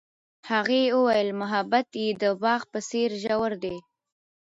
هغې وویل محبت یې د باغ په څېر ژور دی.